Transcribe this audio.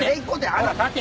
ほら立て！」